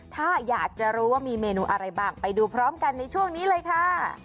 ถ้าอยากจะรู้ว่ามีเมนูอะไรบ้างไปดูพร้อมกันในช่วงนี้เลยค่ะ